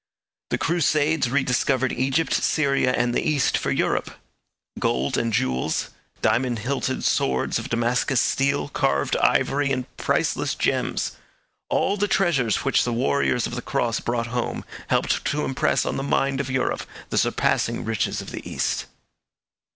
The Crusades rediscovered Egypt, Syria, and the East for Europe. Gold and jewels, diamond hilted swords of Damascus steel, carved ivory, and priceless gems, all the treasures which the warriors of the Cross brought home, helped to impress on the mind of Europe the surpassing riches of the East.